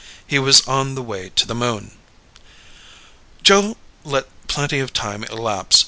He was on the way to the Moon! Joe let plenty of time elapse.